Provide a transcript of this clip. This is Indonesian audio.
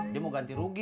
dia mau ganti rugi sih